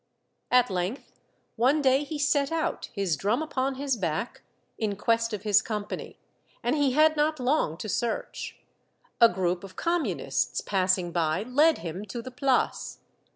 At length, II 1 62 Monday Tales, one day he set out, his drum upon his back, in quest of his company, and he had not long to search. A group of Communists passing by led him to the Place.